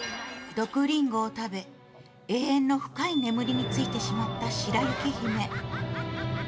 毒りんごを食べ永遠の深い眠りについてしまった白雪姫。